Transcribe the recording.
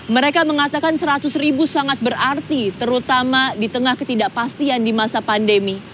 mereka mengatakan seratus ribu sangat berarti terutama di tengah ketidakpastian di masa pandemi